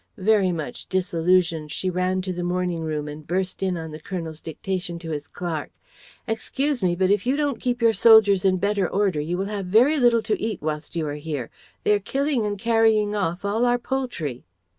Very much disillusioned she ran to the morning room and burst in on the Colonel's dictation to his clerk. "Excuse me, but if you don't keep your soldiers in better order you will have very little to eat whilst you are here. They are killing and carrying off all our poultry."